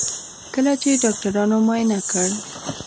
کله چې ډاکټرانو معاینه کړ.